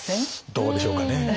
どうでしょうかね。